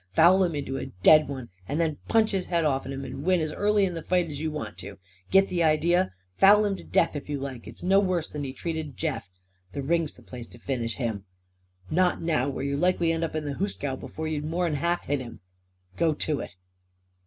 Foul him into a dead one; and then punch his head off'n him and win as early in the fight as you want to. Git the idee? Foul him to death if you like. It's no worse'n he treated Jeff. The ring's the place to finish him. Not now, where you'd likely land up in the hoosgow before you'd more'n half hit him. Go to it!"